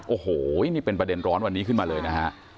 โอ้โหนี่เป็นประเด็นร้อนวันนี้ขึ้นมาเลยนะฮะ